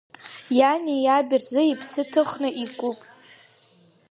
Иани иаби рзы иԥсы ҭыхны икуп.